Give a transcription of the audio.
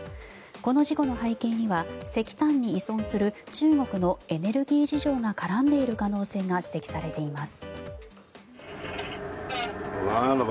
この事故の背景には石炭に依存する中国のエネルギー事情が絡んでいる可能性が指摘されています。